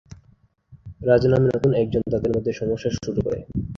রাজ নামে নতুন একজন তাদের মধ্যে সমস্যা শুরু করে।